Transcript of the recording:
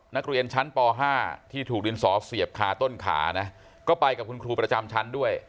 นักเรียนชั้นป๕ที่ถูกดินสอเสียบคาต้นขานะก็ไปกับคุณครูประจำชั้นด้วย